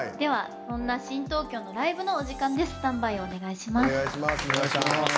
そんな新東京のライブのお時間です。